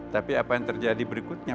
tapi apa yang terjadi berikutnya